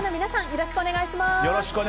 よろしくお願いします。